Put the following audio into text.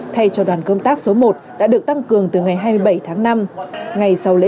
thay cho đoàn công tác số một đã được tăng cường từ ngày hai mươi bảy tháng năm